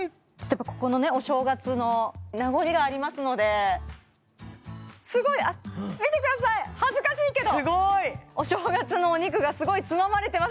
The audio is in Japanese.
ここのねお正月の名残がありますのですごいあっ見てください恥ずかしいけどすごい！お正月のお肉がすごいつままれてます